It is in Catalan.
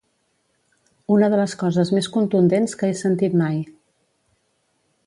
Una de les coses més contundents que he sentit mai.